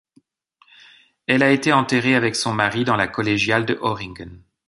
Elle a été enterrée avec son mari dans la Collégiale de Öhringen.